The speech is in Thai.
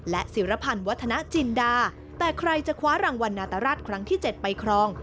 และศิรพันธ์วัฒนาจินดาแต่ใครจะคว้ารางวัลนาตราชครั้งที่๗ไปครอง